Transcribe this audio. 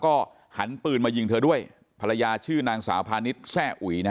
ก็หันปืนมายิงเธอด้วยภรรยาชื่อนางสาวพาณิชย์แซ่อุ๋ยนะฮะ